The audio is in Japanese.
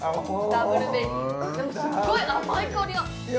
もうすっごい甘い香りがいや